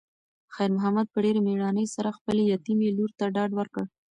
خیر محمد په ډېرې مېړانې سره خپلې یتیمې لور ته ډاډ ورکړ.